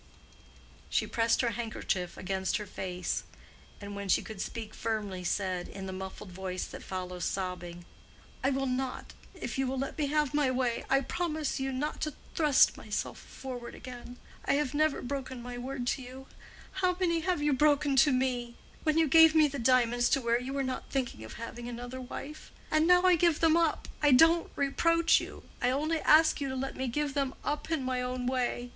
She pressed her handkerchief against her face, and when she could speak firmly said, in the muffled voice that follows sobbing, "I will not—if you will let me have my way—I promise you not to thrust myself forward again. I have never broken my word to you—how many have you broken to me? When you gave me the diamonds to wear you were not thinking of having another wife. And I now give them up—I don't reproach you—I only ask you to let me give them up in my own way.